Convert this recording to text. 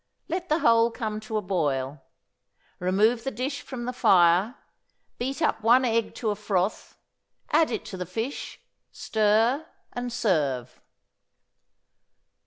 Let the whole come to a boil; remove the dish from the fire, beat up one egg to a froth, add it to the fish, stir, and serve.